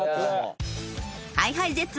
ＨｉＨｉＪｅｔｓ